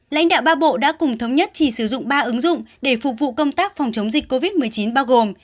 lãnh đạo ba bộ đã cùng thống nhất chỉ sử dụng ba ứng dụng để phục vụ công tác phòng chống dịch covid một mươi chín bao gồm